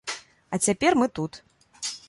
А цяпер мы тут.